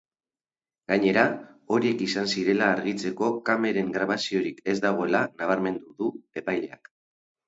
Gainera, horiek izan zirela argitzeko kameren grabaziorik ez dagoela nabarmendu du epaileak.